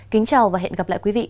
kính chào và hẹn gặp lại quý vị